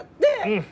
うん。